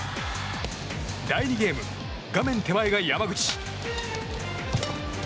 第２ゲーム、画面手前が山口。